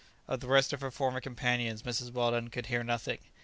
Of the rest of her former companions Mrs. Weldon could hear nothing.